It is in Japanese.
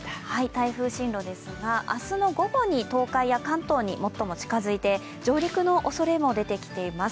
台風進路ですが、明日の午後に東海や関東に最も近づいて上陸のおそれも出てきています。